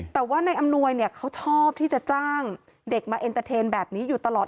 แต่ว่านายอำนวยเนี่ยเขาชอบที่จะจ้างเด็กมาเอ็นเตอร์เทนแบบนี้อยู่ตลอด